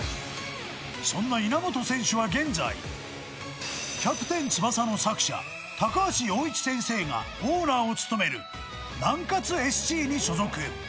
そんな稲本選手は現在、「キャプテン翼」の作者、高橋陽一先生がオーナーを務める南葛ＳＣに所属。